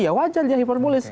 ya wajar dia hipormulis